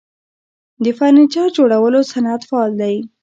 د فرنیچر جوړولو صنعت فعال دی